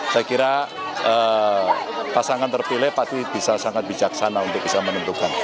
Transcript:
saya kira pasangan terpilih pasti bisa sangat bijaksana untuk bisa menentukan